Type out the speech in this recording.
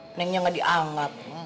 neneknya gak dianggap